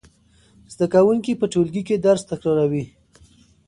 زده کوونکي په ټولګي کې درس تکراروي.